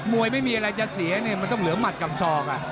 วยไม่มีอะไรจะเสียเนี่ยมันต้องเหลือหมัดกับศอก